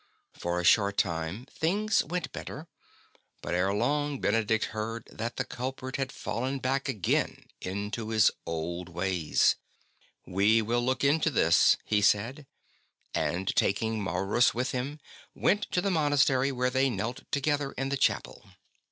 For a short time things went better ; but ere long Benedict heard that the culprit had fallen back again into his old ways. *' We will look into this/' he said, and, taking Maurus with him, went to the monastery, where they knelt together in the chapel.